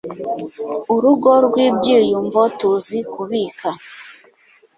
urugo rwibyiyumvo tuzi kubika